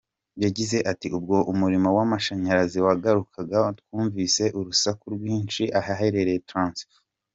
Yagize ati “Ubwo umuriro w’amashanyarazi wagarukaga twumvise urusaku rwinshi ahaherereye transfo…”.